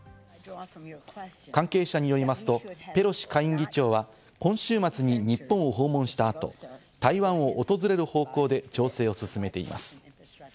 関係者によりますとペロシ下院議長は今週末に日本を訪問した後、台湾を訪れる方向で調整を進めています。